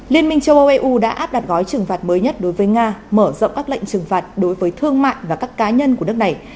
liên minh châu âu eu đã áp đặt gói trừng phạt mới nhất đối với nga mở rộng các lệnh trừng phạt đối với thương mại và các cá nhân của nước này